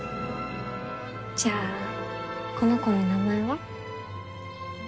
じゃあこの子の名前は？